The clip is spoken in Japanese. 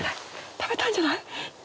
食べたんじゃない？